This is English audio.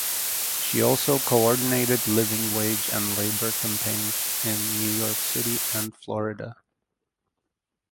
She also coordinated living wage and labor campaigns in New York City and Florida.